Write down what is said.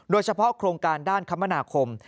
โดยเฉพาะโครงการด้านคมนาคม